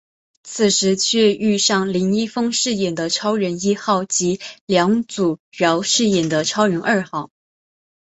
此时却遇上林一峰饰演的超人一号及梁祖尧饰演的超人二号。